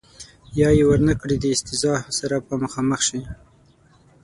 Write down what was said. یا یې ور نه کړي د استیضاح سره به مخامخ شي.